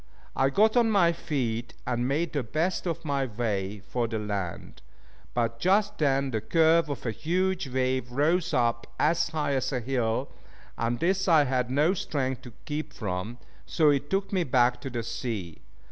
I got on my feet and made the best of my way for the land; but just then the curve of a huge wave rose up as high as a hill, and this I had no strength to keep from, so it took me back to the sea.